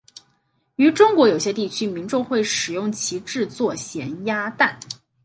于中国有些区域民众会用其制作咸鸭蛋。